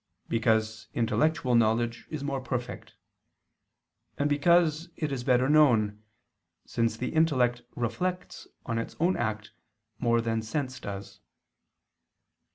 Because intellectual knowledge is more perfect; and because it is better known, since the intellect reflects on its own act more than sense does.